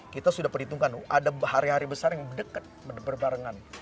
kita sudah perhitungkan ada hari hari besar yang dekat berbarengan